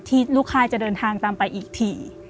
ลูกค่ายจะเดินทางตามไปอีกที